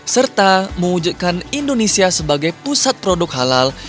serta mewujudkan indonesia sebagai pusat produk halal